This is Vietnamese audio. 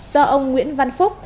do ông nguyễn văn phúc